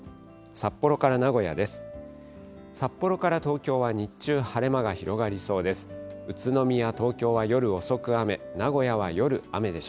札幌から名古屋です。